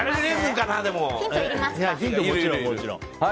ヒントもちろん。